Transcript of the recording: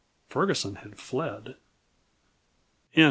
Ferguson had fled.